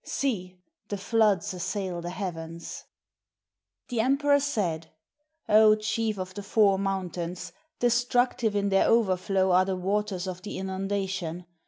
See! the floods assail the heavens." The emperor said, "Oh! chief of the four mountains, destructive in their overflow are the waters of the inun dation.